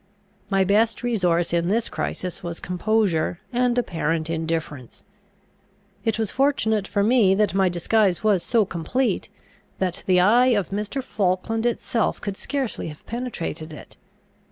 My best resource in this crisis was composure and apparent indifference. It was fortunate for me that my disguise was so complete, that the eye of Mr. Falkland itself could scarcely have penetrated it.